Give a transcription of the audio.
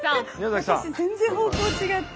私全然方向違って。